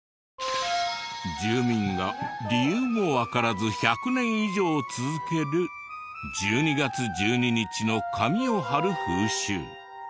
住民が理由もわからず１００年以上続ける１２月１２日の紙を貼る風習。